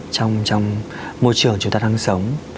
trong môi trường chúng ta đang sống